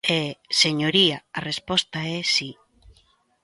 E, señoría, a resposta é si.